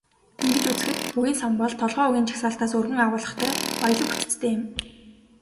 Ингэж үзэхэд, үгийн сан бол толгой үгийн жагсаалтаас өргөн агуулгатай, баялаг бүтэцтэй юм.